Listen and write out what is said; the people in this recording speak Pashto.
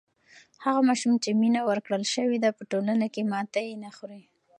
هغه ماشوم چې مینه ورکړل سوې ده په ټولنه کې ماتی نه خوری.